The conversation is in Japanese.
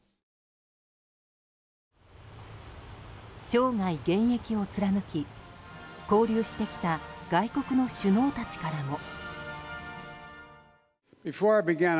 生涯現役を貫き、交流してきた外国の首脳たちからも。